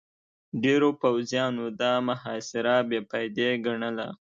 ډېرو پوځيانو دا محاصره بې فايدې ګڼله.